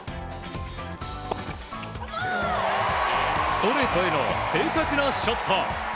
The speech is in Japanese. ストレートへの正確なショット。